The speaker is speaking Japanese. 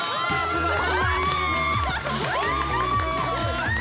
・すごい。